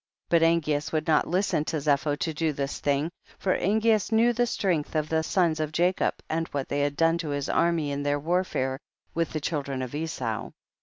5. But Angeas would not listen to Zepho to do this thing, for Angeas knew the strength of the sons of Ja cob, and what they had done to his army in their warfare with the chil dren of Esau.